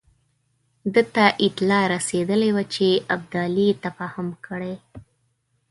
ده ته اطلاع رسېدلې وه چې ابدالي تفاهم کړی.